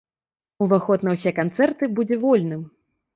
Уваход на ўсе канцэрты будзе вольным.